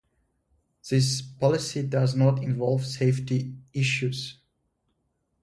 This policy does not involve safety issues.